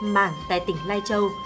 mảng tại tỉnh lai châu